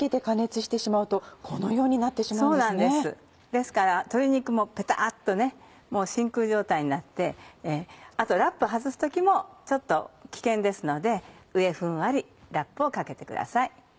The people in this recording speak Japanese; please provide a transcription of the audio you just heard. ですから鶏肉もペタっと真空状態になってあとラップを外す時もちょっと危険ですので上ふんわりラップをかけてください。